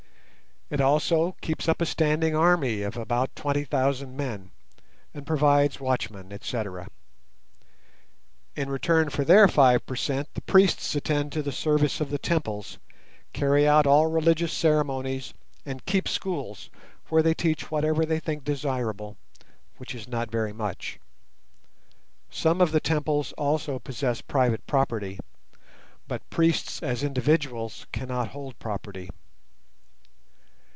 It also keeps up a standing army of about twenty thousand men, and provides watchmen, etc. In return for their five per cent the priests attend to the service of the temples, carry out all religious ceremonies, and keep schools, where they teach whatever they think desirable, which is not very much. Some of the temples also possess private property, but priests as individuals cannot hold property.